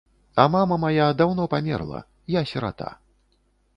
А мама мая даўно памерла, я сірата.